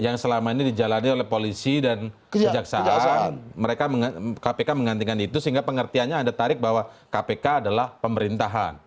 yang selama ini dijalani oleh polisi dan kejaksaan kpk menggantikan itu sehingga pengertiannya anda tarik bahwa kpk adalah pemerintahan